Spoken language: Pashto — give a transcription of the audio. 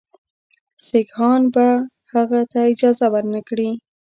سیکهان به هغه ته اجازه ورنه کړي.